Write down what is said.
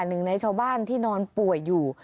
หนึ่งในชาวบ้านที่นอนป่วยอยู่